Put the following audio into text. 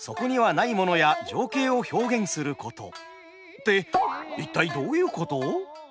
って一体どういうこと？